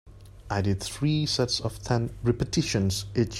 I did three sets of ten repetitions each.